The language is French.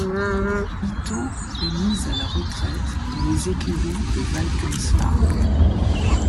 Itot est mis à la retraite dans les écuries de Valkenswaard.